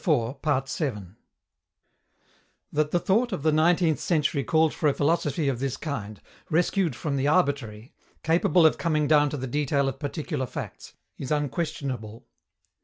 That the thought of the nineteenth century called for a philosophy of this kind, rescued from the arbitrary, capable of coming down to the detail of particular facts, is unquestionable.